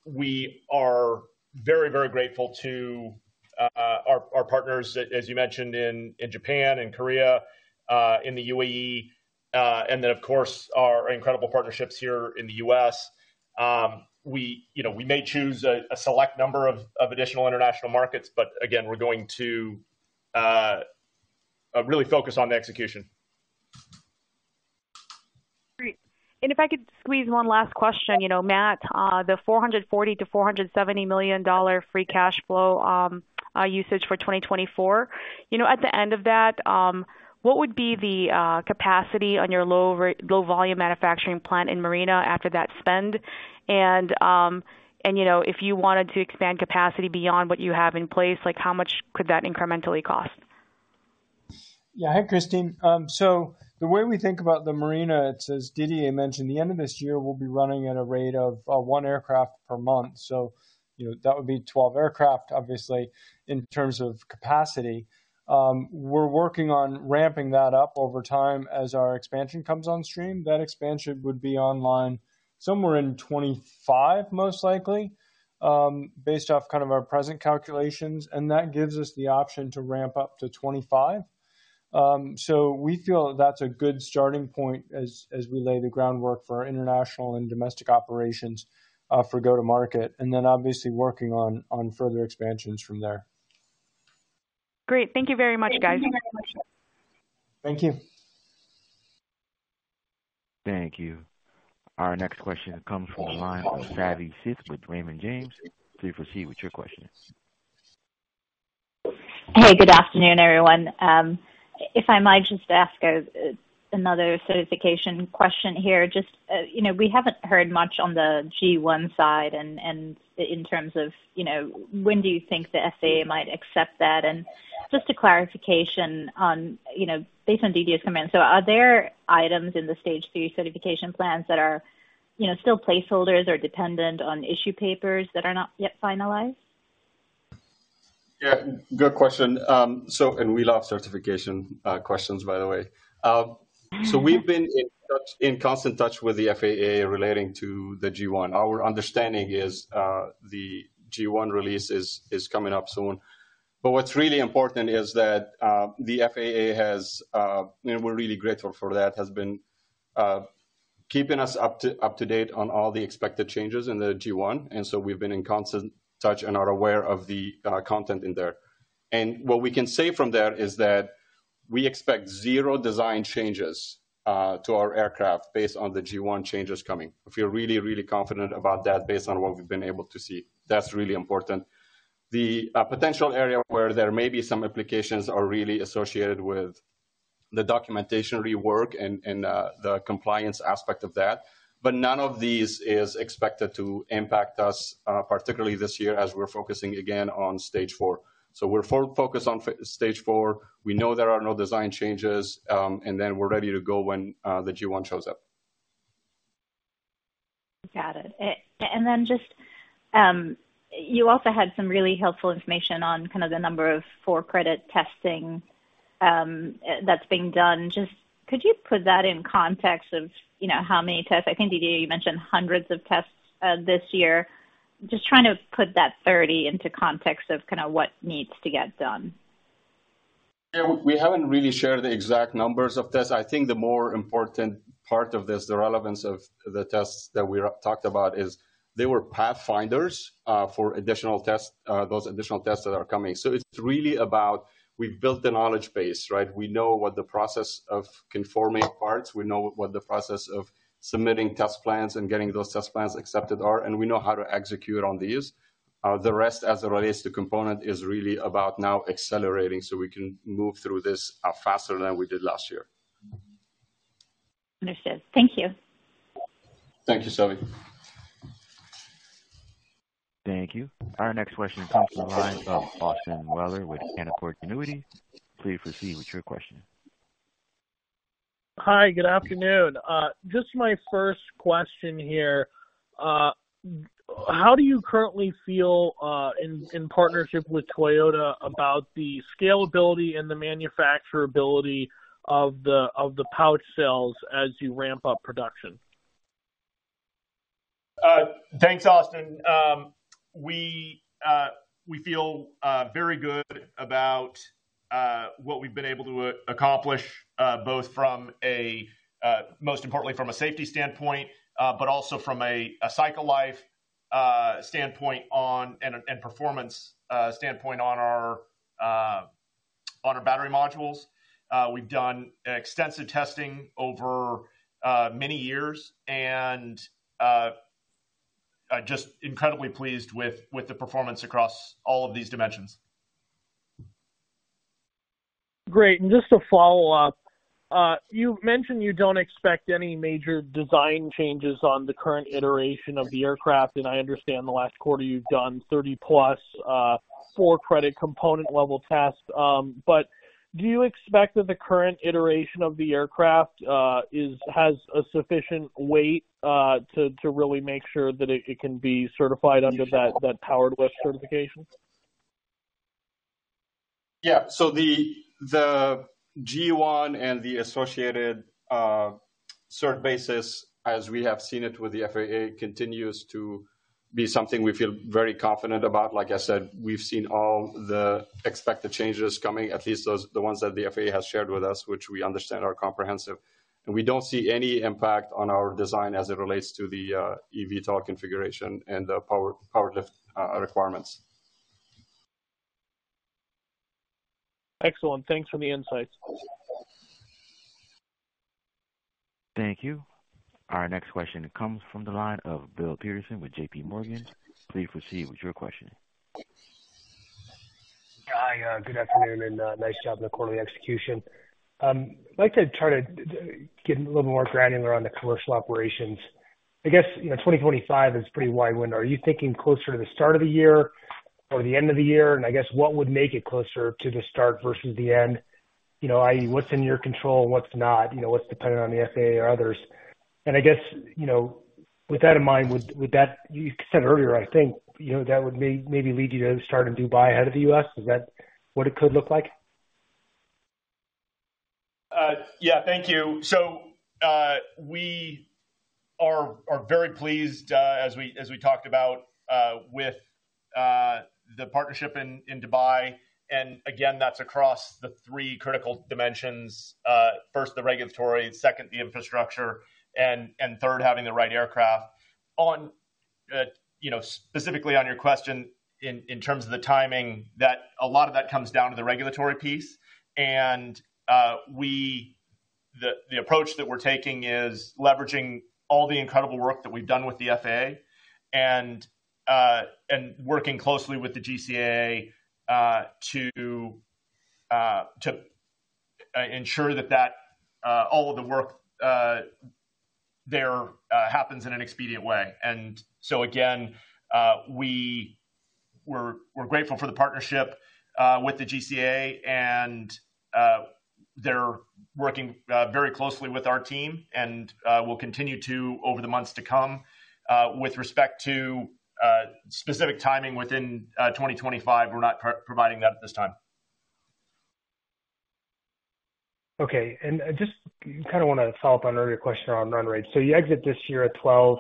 [SPEAKER 3] we are very, very grateful to our partners, as you mentioned, in Japan and Korea, in the UAE, and then, of course, our incredible partnerships here in the U.S. We may choose a select number of additional international markets, but again, we're going to really focus on the execution.
[SPEAKER 7] Great. And if I could squeeze one last question, Matt, the $440 million-$470 million free cash flow usage for 2024, at the end of that, what would be the capacity on your low-volume manufacturing plant in Marina after that spend? And if you wanted to expand capacity beyond what you have in place, how much could that incrementally cost?
[SPEAKER 5] Yeah. Hi, Kristine. So the way we think about the Marina, as Didier mentioned, the end of this year, we'll be running at a rate of one aircraft per month. So that would be 12 aircraft, obviously, in terms of capacity. We're working on ramping that up over time as our expansion comes on stream. That expansion would be online somewhere in 2025, most likely, based off kind of our present calculations. And that gives us the option to ramp up to 2025. So we feel that that's a good starting point as we lay the groundwork for our international and domestic operations for go-to-market, and then obviously working on further expansions from there.
[SPEAKER 7] Great. Thank you very much, guys.
[SPEAKER 5] Thank you.
[SPEAKER 1] Thank you. Our next question comes from the line of Savi Syth with Raymond James. Please proceed with your question.
[SPEAKER 8] Hey, good afternoon, everyone. If I might just ask another certification question here. Just we haven't heard much on the G-1 side in terms of when do you think the FAA might accept that? And just a clarification based on Didier's comment. So are there items in the stage three certification plans that are still placeholders or dependent on issue papers that are not yet finalized?
[SPEAKER 4] Yeah, good question. And we love certification questions, by the way. So we've been in constant touch with the FAA relating to the G-1. Our understanding is the G-1 release is coming up soon. But what's really important is that the FAA, and we're really grateful for that, has been keeping us up to date on all the expected changes in the G-1. And so we've been in constant touch and are aware of the content in there. And what we can say from there is that we expect zero design changes to our aircraft based on the G-1 changes coming. We feel really, really confident about that based on what we've been able to see. That's really important. The potential area where there may be some implications are really associated with the documentation rework and the compliance aspect of that. None of these is expected to impact us, particularly this year as we're focusing again on stage four. We're focused on stage four. We know there are no design changes. Then we're ready to go when the G-1 shows up.
[SPEAKER 8] Got it. And then just you also had some really helpful information on kind of the number of for-credit testing that's being done. Just could you put that in context of how many tests? I think, Didier, you mentioned hundreds of tests this year. Just trying to put that 30 into context of kind of what needs to get done.
[SPEAKER 4] Yeah. We haven't really shared the exact numbers of tests. I think the more important part of this, the relevance of the tests that we talked about is they were pathfinders for those additional tests that are coming. So it's really about we've built the knowledge base, right? We know what the process of conforming parts, we know what the process of submitting test plans and getting those test plans accepted are, and we know how to execute on these. The rest, as it relates to component, is really about now accelerating so we can move through this faster than we did last year.
[SPEAKER 8] Understood. Thank you.
[SPEAKER 4] Thank you, Savi.
[SPEAKER 3] Thank you. Our next question comes from the line of Austin Moeller with Canaccord Genuity. Please proceed with your question.
[SPEAKER 9] Hi, good afternoon. Just my first question here. How do you currently feel in partnership with Toyota about the scalability and the manufacturability of the pouch cells as you ramp up production?
[SPEAKER 3] Thanks, Austin. We feel very good about what we've been able to accomplish, both most importantly from a safety standpoint, but also from a cycle life standpoint and performance standpoint on our battery modules. We've done extensive testing over many years and just incredibly pleased with the performance across all of these dimensions.
[SPEAKER 9] Great. Just to follow up, you mentioned you don't expect any major design changes on the current iteration of the aircraft. I understand the last quarter you've done 30+ for-credit component-level tests. But do you expect that the current iteration of the aircraft has a sufficient weight to really make sure that it can be certified under that Powered Lift certification?
[SPEAKER 4] Yeah. So the G-1 and the associated certification basis, as we have seen it with the FAA, continues to be something we feel very confident about. Like I said, we've seen all the expected changes coming, at least the ones that the FAA has shared with us, which we understand are comprehensive. And we don't see any impact on our design as it relates to the eVTOL configuration and the Powered Lift requirements.
[SPEAKER 9] Excellent. Thanks for the insights.
[SPEAKER 1] Thank you. Our next question comes from the line of Bill Peterson with JPMorgan. Please proceed with your question.
[SPEAKER 10] Hi, good afternoon. And nice job in the quarterly execution. I'd like to try to get a little bit more granular on the commercial operations. I guess 2025 is pretty wide window. Are you thinking closer to the start of the year or the end of the year? And I guess what would make it closer to the start versus the end, i.e. what's in your control and what's not? What's dependent on the FAA or others? And I guess with that in mind, would that you said earlier, I think, that would maybe lead you to start in Dubai ahead of the U.S. Is that what it could look like?
[SPEAKER 4] Yeah, thank you. So we are very pleased, as we talked about, with the partnership in Dubai. And again, that's across the three critical dimensions. First, the regulatory. Second, the infrastructure. And third, having the right aircraft. Specifically on your question, in terms of the timing, a lot of that comes down to the regulatory piece. And the approach that we're taking is leveraging all the incredible work that we've done with the FAA and working closely with the GCAA to ensure that all of the work there happens in an expedient way. And so again, we're grateful for the partnership with the GCAA. And they're working very closely with our team and will continue to over the months to come. With respect to specific timing within 2025, we're not providing that at this time.
[SPEAKER 10] Okay. I just kind of want to follow up on earlier question around run rates. So you exit this year at 12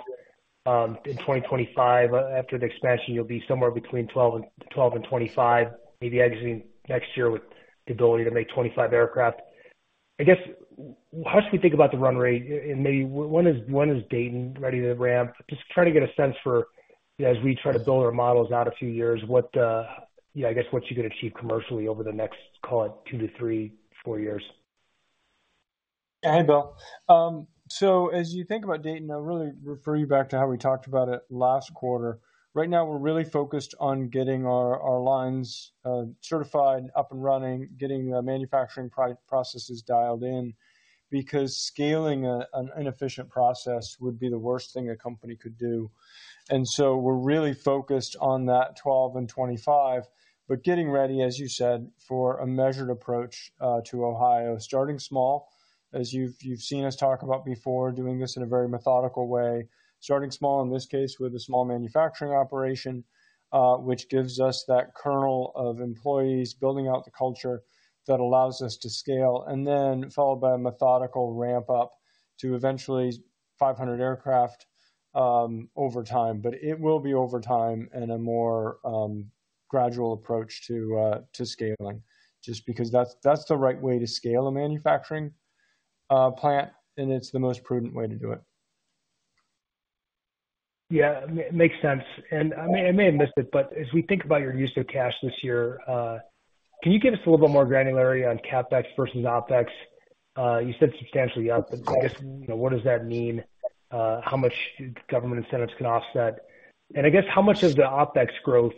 [SPEAKER 10] in 2025. After the expansion, you'll be somewhere between 12 and 25, maybe exiting next year with the ability to make 25 aircraft. I guess how should we think about the run rate? And maybe when is Dayton ready to ramp? Just trying to get a sense for, as we try to build our models out a few years, I guess what you could achieve commercially over the next, call it, two to three, four years.
[SPEAKER 5] Yeah.Hey, Bill. So as you think about Dayton, I'll really refer you back to how we talked about it last quarter. Right now, we're really focused on getting our lines certified, up and running, getting the manufacturing processes dialed in because scaling an inefficient process would be the worst thing a company could do. And so we're really focused on that 12 and 25, but getting ready, as you said, for a measured approach to Ohio. Starting small, as you've seen us talk about before, doing this in a very methodical way. Starting small, in this case, with a small manufacturing operation, which gives us that kernel of employees, building out the culture that allows us to scale, and then followed by a methodical ramp-up to eventually 500 aircraft over time. But it will be over time and a more gradual approach to scaling just because that's the right way to scale a manufacturing plant. And it's the most prudent way to do it.
[SPEAKER 10] Yeah, it makes sense. I may have missed it, but as we think about your use of cash this year, can you give us a little bit more granularity on CapEx versus OpEx? You said substantially up. I guess what does that mean? How much government incentives can offset? And I guess how much of the OpEx growth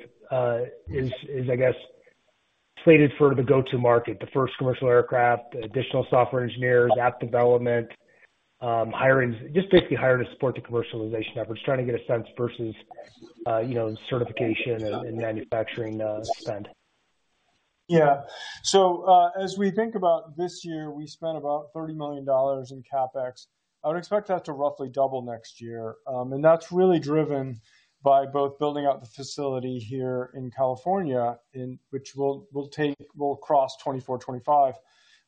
[SPEAKER 10] is, I guess, slated for the go-to market? The first commercial aircraft, additional software engineers, app development, just basically hire to support the commercialization efforts, just trying to get a sense versus certification and manufacturing spend.
[SPEAKER 5] Yeah. As we think about this year, we spent about $30 million in CapEx. I would expect that to roughly double next year. And that's really driven by both building out the facility here in California, which will cross 24-25,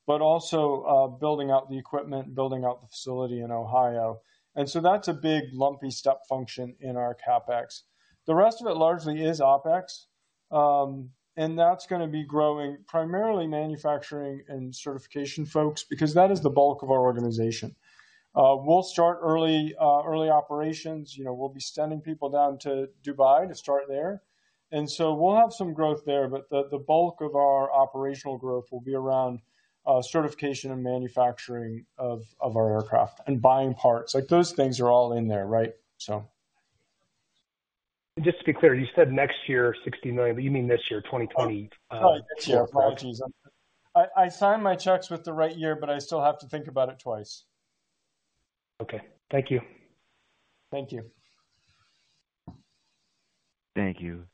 [SPEAKER 5] but also building out the equipment, building out the facility in Ohio. That's a big lumpy step function in our CapEx. The rest of it largely is OpEx. That's going to be growing, primarily manufacturing and certification folks because that is the bulk of our organization. We'll start early operations. We'll be sending people down to Dubai to start there. We'll have some growth there. But the bulk of our operational growth will be around certification and manufacturing of our aircraft and buying parts. Those things are all in there, right?
[SPEAKER 10] Just to be clear. You said next year, $60 million, but you mean this year, 2020?
[SPEAKER 5] Sorry, this year. Apologies. I signed my checks with the right year, but I still have to think about it twice.
[SPEAKER 10] Okay. Thank you.
[SPEAKER 5] Thank you.
[SPEAKER 1] Thank you.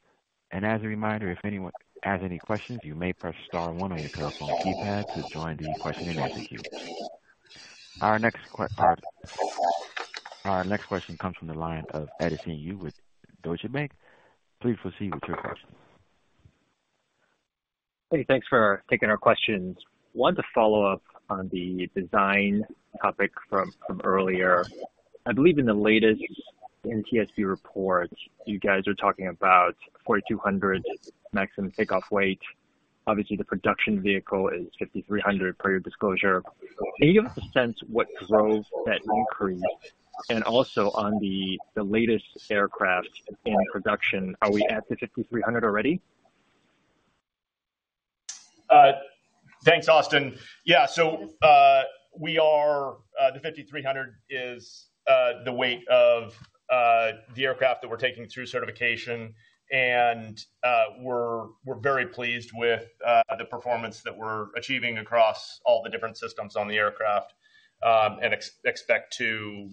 [SPEAKER 1] And as a reminder, if anyone has any questions, you may press star one on your telephone keypad to join the question-and-answer queue. Our next question comes from the line of Edison Yu with Deutsche Bank. Please proceed with your question.
[SPEAKER 11] Hey, thanks for taking our questions. I wanted to follow up on the design topic from earlier. I believe in the latest NTSB report, you guys were talking about 4,200 maximum takeoff weight. Obviously, the production vehicle is 5,300 per your disclosure. Can you give us a sense what drove that increase? And also on the latest aircraft in production, are we at the 5,300 already?
[SPEAKER 4] Thanks, Edison. Yeah, so the 5,300 is the weight of the aircraft that we're taking through certification. We're very pleased with the performance that we're achieving across all the different systems on the aircraft and expect to,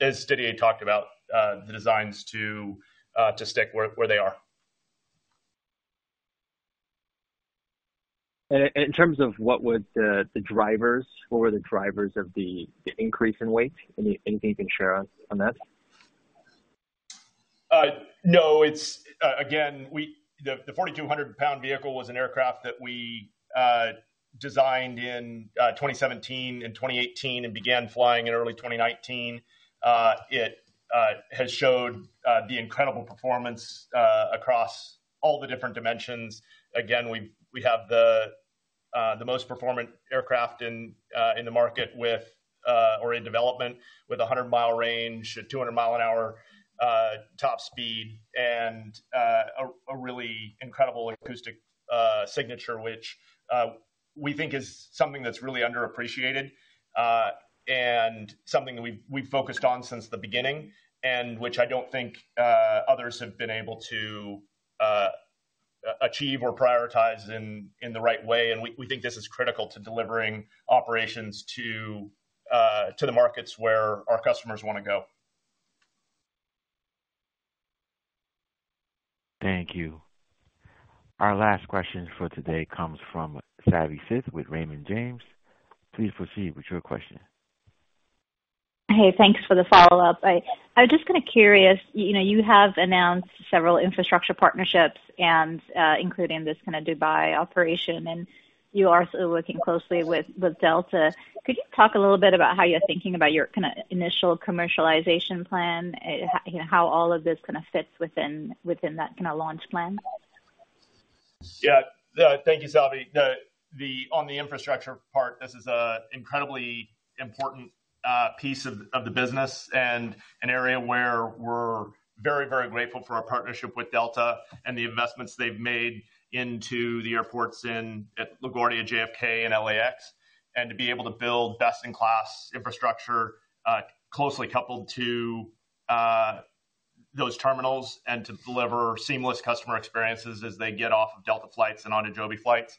[SPEAKER 4] as Didier talked about, the designs to stick where they are.
[SPEAKER 11] In terms of what were the drivers of the increase in weight? Anything you can share on that?
[SPEAKER 4] No. Again, the 4,200-pound vehicle was an aircraft that we designed in 2017 and 2018 and began flying in early 2019. It has showed the incredible performance across all the different dimensions. Again, we have the most performant aircraft in the market or in development with 100-mile range, a 200-mile-an-hour top speed, and a really incredible acoustic signature, which we think is something that's really underappreciated and something that we've focused on since the beginning, and which I don't think others have been able to achieve or prioritize in the right way. And we think this is critical to delivering operations to the markets where our customers want to go.
[SPEAKER 1] Thank you. Our last question for today comes from Savi Syth with Raymond James. Please proceed with your question.
[SPEAKER 8] Hey, thanks for the follow-up. I was just kind of curious. You have announced several infrastructure partnerships, including this kind of Dubai operation, and you are also working closely with Delta. Could you talk a little bit about how you're thinking about your kind of initial commercialization plan, how all of this kind of fits within that kind of launch plan?
[SPEAKER 4] Yeah. Thank you, Savi. On the infrastructure part, this is an incredibly important piece of the business and an area where we're very, very grateful for our partnership with Delta and the investments they've made into the airports at LaGuardia, JFK, and LAX, and to be able to build best-in-class infrastructure closely coupled to those terminals and to deliver seamless customer experiences as they get off of Delta flights and onto Joby flights.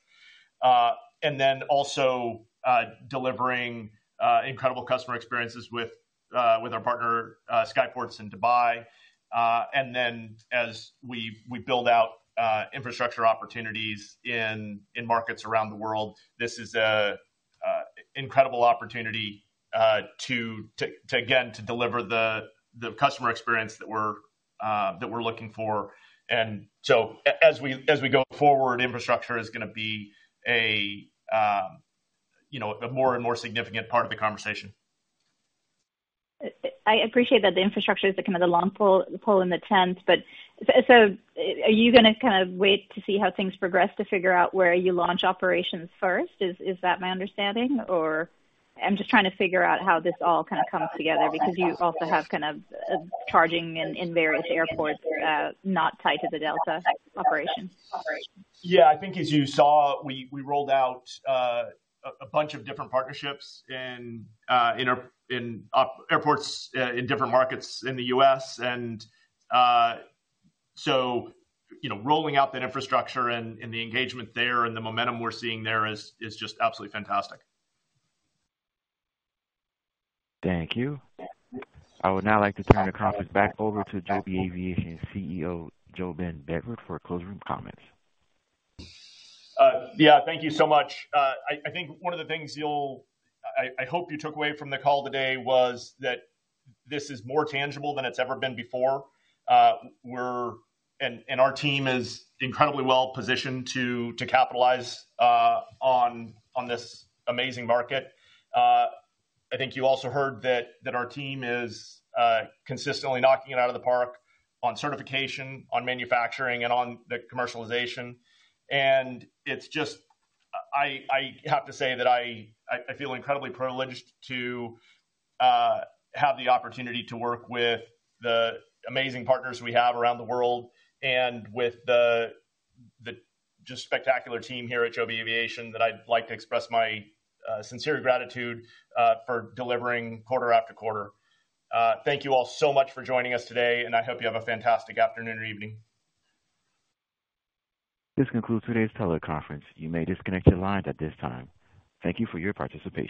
[SPEAKER 4] And then also delivering incredible customer experiences with our partner, Skyports in Dubai. And then as we build out infrastructure opportunities in markets around the world, this is an incredible opportunity, again, to deliver the customer experience that we're looking for. And so as we go forward, infrastructure is going to be a more and more significant part of the conversation.
[SPEAKER 8] I appreciate that the infrastructure is kind of the long pole in the tent. But so are you going to kind of wait to see how things progress to figure out where you launch operations first? Is that my understanding? Or I'm just trying to figure out how this all kind of comes together because you also have kind of charging in various airports not tied to the Delta operation.
[SPEAKER 4] Yeah. I think as you saw, we rolled out a bunch of different partnerships in airports in different markets in the U.S. And so rolling out that infrastructure and the engagement there and the momentum we're seeing there is just absolutely fantastic.
[SPEAKER 1] Thank you. I would now like to turn the conference back over to Joby Aviation CEO JoeBen Bevirt for closing comments.
[SPEAKER 3] Yeah, thank you so much. I think one of the things I hope you took away from the call today was that this is more tangible than it's ever been before. And our team is incredibly well positioned to capitalize on this amazing market. I think you also heard that our team is consistently knocking it out of the park on certification, on manufacturing, and on the commercialization. And I have to say that I feel incredibly privileged to have the opportunity to work with the amazing partners we have around the world and with the just spectacular team here at Joby Aviation that I'd like to express my sincere gratitude for delivering quarter after quarter. Thank you all so much for joining us today, and I hope you have a fantastic afternoon or evening.
[SPEAKER 1] This concludes today's teleconference. You may disconnect your lines at this time. Thank you for your participation.